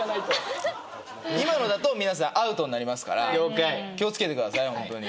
今のだと皆さんアウトになりますから気を付けてくださいホントに。